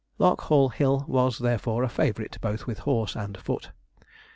Larkhall Hill was, therefore, a favourite both with horse and foot.